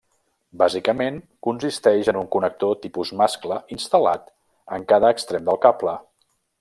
Bàsicament, consisteix en un connector tipus mascle instal·lat en cada extrem del cable.